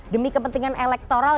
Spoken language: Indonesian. demi kepentingan elektoral